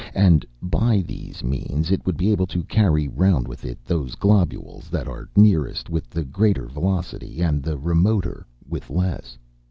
And, by these means, it would be able to carry round with it those globules that are nearest, with the greater velocity; and the remoter, with less.